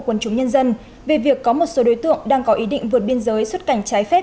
quân chúng nhân dân về việc có một số đối tượng đang có ý định vượt biên giới xuất cảnh trái phép